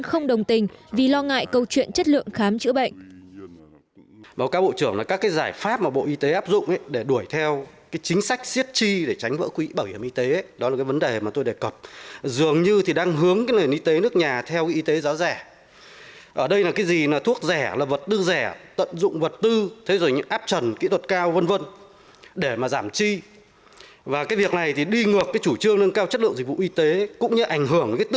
không đồng tình vì lo ngại câu chuyện chất lượng khám chữa bệnh